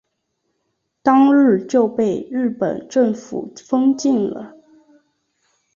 当日就被日本政府封禁了。